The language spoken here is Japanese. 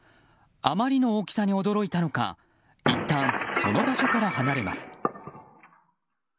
あまりの大きさに驚いたのかいったん、その場所から離れます。